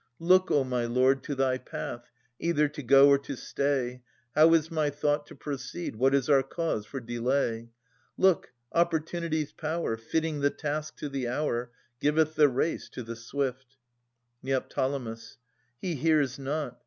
Look, O my lord, to thy path. Either to go or to stay : How is my thought to proceed? What is our cause for delay ? Look! Opportunity' s power. Fitting the task to the hour, Giveth the race to the swift. Ned. He hears not.